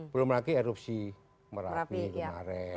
belum lagi erupsi merapi kemarin